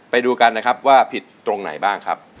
ไปดูกันนะครับว่าผิดตรงไหนบ้างครับ